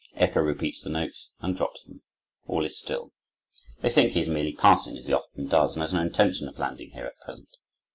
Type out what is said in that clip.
Echo repeats the notes and drops them. All is still. They think he is merely passing, as he often does, and has no intention of landing here at present.